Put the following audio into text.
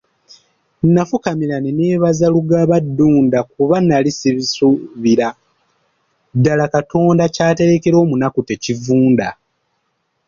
Nafukamira ne neebaza Lugaba Ddunda kuba nali sibisuubira ddala Katonda ky'aterekera omunaku tekivunda.